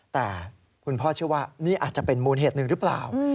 แต่คุณพ่อเชื่อว่านี่อาจจะเป็นมูลเหตุหนึ่งหรือเปล่า